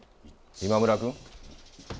今村君。